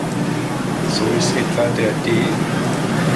So ist etwa der „D.